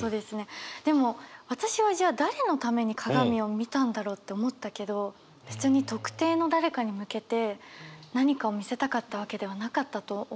でも私はじゃあ誰のために鏡を見たんだろうって思ったけど別に特定の誰かに向けて何かを見せたかったわけではなかったと思うんですね。